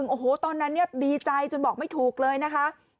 โอ้โหตอนนั้นเนี่ยดีใจจนบอกไม่ถูกเลยนะคะ